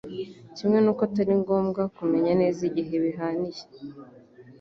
Kimwe n'uko atari ngombwa kumenya neza igihe bihaniye.